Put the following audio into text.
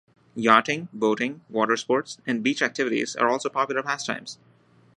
Yachting, boating, water sports and beach activities are also popular pastimes.